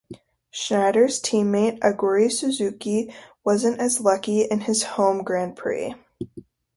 Schneider's team mate Aguri Suzuki wasn't as lucky in his home Grand Prix.